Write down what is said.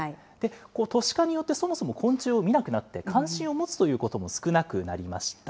都市化によってそもそも昆虫を見なくなって、関心を持つということも少なくなりました。